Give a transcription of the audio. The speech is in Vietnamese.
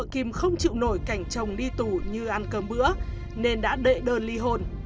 kim không chịu nổi cảnh chồng đi tù như ăn cơm bữa nên đã đệ đơn ly hôn